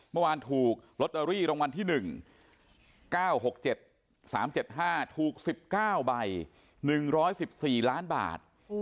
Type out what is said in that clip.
เมื่อวานถูกลอตเตอรี่รางวัลที่๑๙๖๗๓๗๕ถูก๑๙ใบ๑๑๔ล้านบาท